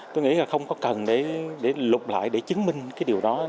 tôi nghĩ là không có cần để lục lại để chứng minh cái điều đó